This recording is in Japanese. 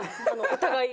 お互い。